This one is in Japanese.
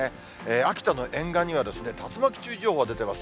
秋田の沿岸には竜巻注意情報が出てます。